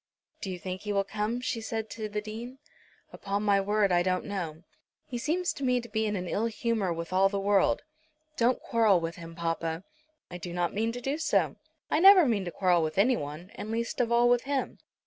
"Do you think he will come?" she said to the Dean. "Upon my word I don't know. He seems to me to be in an ill humour with all the world." "Don't quarrel with him, papa." "I do not mean to do so. I never mean to quarrel with anyone, and least of all with him.